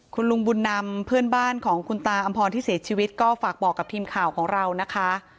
คุณลุงบุญนำเพื่อนบ้านของคุณตาอำพรที่เสียชีวิตก็ฝากบอกกับทีมข่าวของเรานะคะ